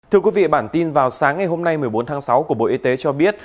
thưa quý vị bản tin vào sáng ngày hôm nay một mươi bốn tháng sáu của bộ y tế cho biết